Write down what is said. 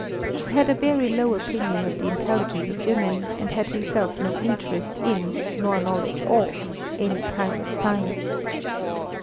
He had a very low opinion of the intelligence of women, and had himself no interest in, nor knowledge of, any kind of science.